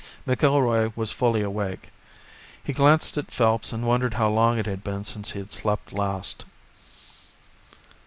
McIlroy was fully awake. He glanced at Phelps and wondered how long it had been since he had slept last.